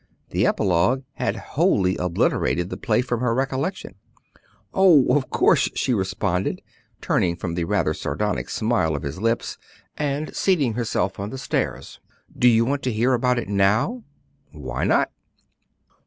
The epilogue had wholly obliterated the play from her recollection. "Oh, of course," she responded, turning from the rather sardonic smile of his lips and seating herself on the stairs; "do you want to hear about it now?" "Why not?"